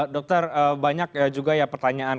dokter banyak juga ya pertanyaan